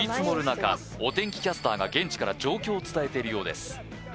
中お天気キャスターが現地から状況を伝えているようです